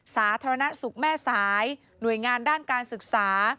สาธารณสุขแม่สายหน่วยงานด้านการศึกษา